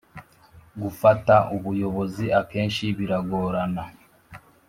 gufata ubuyobozi akenshi biragorana